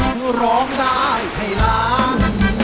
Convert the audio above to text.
คือร้องได้ให้ล้าน